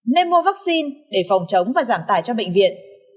nên mua vắc xin để phòng chống và giảm tài cho bệnh viện